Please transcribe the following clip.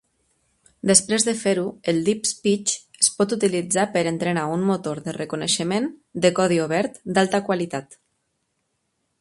Després de fer-ho, el DeepSpeech es pot utilitzar per entrenar un motor de reconeixement de codi obert d'alta qualitat.